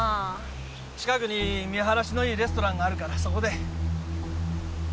近くに見晴らしのいいレストランがあるからそこで。